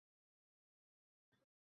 Ukam bechora qariganda unga kim qaraydi